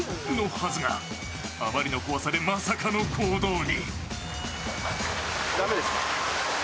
はずがあまりの怖さでまさかの行動に。